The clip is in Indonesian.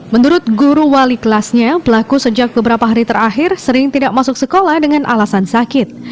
menurut guru wali kelasnya pelaku sejak beberapa hari terakhir sering tidak masuk sekolah dengan alasan sakit